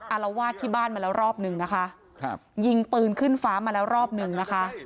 อารวาสที่บ้านมาแล้วรอบหนึ่งนะคะครับยิงปืนขึ้นฟ้ามาแล้วรอบหนึ่งนะคะ